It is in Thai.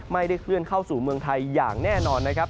ไม่ได้เคลื่อนเข้าสู่เมืองไทยอย่างแน่นอนนะครับ